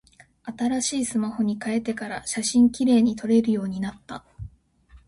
新しいスマホに変えてから、写真綺麗に撮れるようになった。